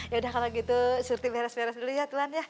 yaudah kalo gitu surti beres beres dulu ya tuhan ya